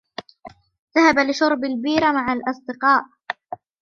ذهب لشرب البيرة مع الأصدقاء.